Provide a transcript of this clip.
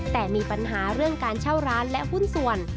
แต่มีปัญหาเรื่องการเช่าร้านและหุ้นส่วน